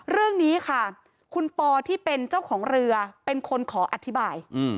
เรื่องนี้ค่ะคุณปอที่เป็นเจ้าของเรือเป็นคนขออธิบาย